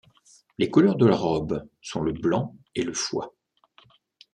Les couleurs de la robe sont le blanc et le foie.